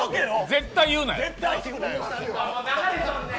絶対に言うなよ。